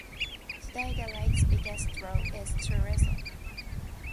Today the lake's biggest draw is tourism.